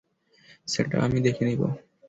সেটা আমি দেখে নিব।